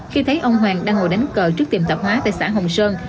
khi thấy ông hoàng đang ngồi đánh cờ trước tiệm tạp hóa tại xã hồng sơn